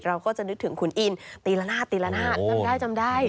เราก็จะนึกถึงขุนอินตีละนาตจำได้